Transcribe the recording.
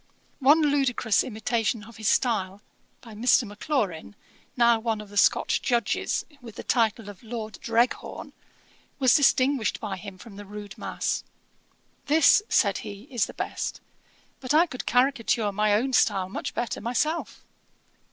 One ludicrous imitation of his style, by Mr. Maclaurin, now one of the Scotch Judges, with the title of Lord Dreghorn, was distinguished by him from the rude mass. 'This (said he,) is the best. But I could caricature my own style much better myself.'